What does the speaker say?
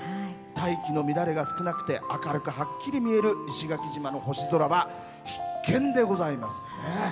大気の乱れが少なくて明るくはっきり見える石垣島の星空は必見でございます。